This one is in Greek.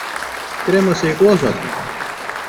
κρέμασε η γλώσσα του